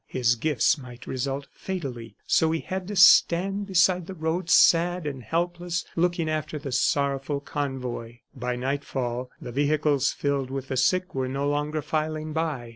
His gifts might result fatally. So he had to stand beside the road, sad and helpless, looking after the sorrowful convoy. ... By nightfall the vehicles filled with the sick were no longer filing by.